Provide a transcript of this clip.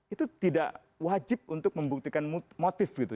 itu tidak wajib untuk membuktikan motif gitu